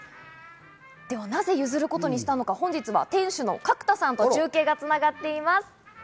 なぜ譲ることにしたのか、本日は店主の角田さんと中継が繋がっています。